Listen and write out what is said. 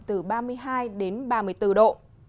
từ ba mươi hai ba mươi bốn độ